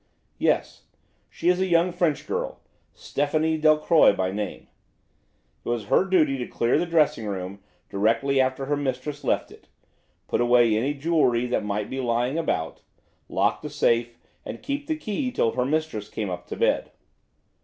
"Yes. She is a young French girl, Stephanie Delcroix by name. It was her duty to clear the dressing room directly after her mistress left it; put away any jewellery that might be lying about, lock the safe, and keep the key till her mistress came up to bed.